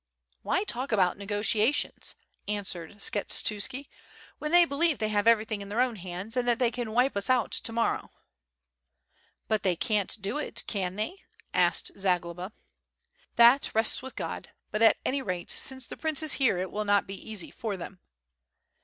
"Why talk about negotiations," answered Skshetuski, "when they believe they have everything in their own hands and that they can wipe us out to morrow." "But they can't do it, can they?" asked Zagloba. "That rests with God, but at any rate since the prince is here it will not be easy for them."